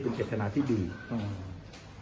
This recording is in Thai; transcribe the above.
เป็นเกรจารณาที่ดีอืม